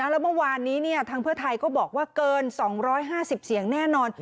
แล้วเมื่อวานนี้ทางเพื่อไทยก็บอกว่าเกิน๒๕๐เสียงแน่นอน